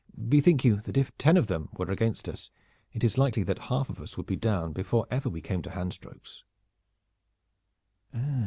Bethink you that if ten of them were against us it is likely that half of us would be down before ever we came to handstrokes."